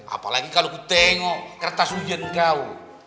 apalagi kalau ku tengok kertas hujan kau